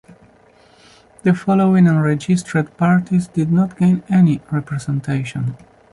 The following unregistered parties did not gain any representation.